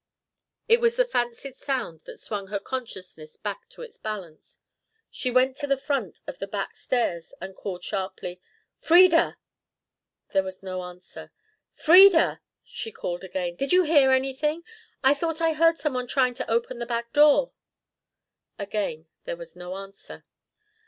It was the fancied sound that swung her consciousness back to its balance. She went to the front of the back stairs and called sharply: "Frieda!" There was no answer. "Frieda," she called again. "Did you hear anything? I thought I heard some one trying to open the back door." Again there was no answer.